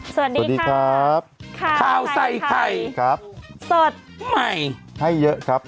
สวัสดีครับข้าวใส่ไข่ครับสดใหม่ให้เยอะครับ